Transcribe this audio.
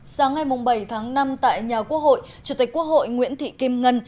sáng ngày bảy tháng năm tại nhà quốc hội chủ tịch quốc hội nguyễn thị kim ngân